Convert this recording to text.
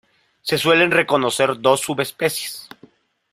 Se suelen reconocer dos subespecies.